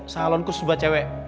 salon khusus buat cewek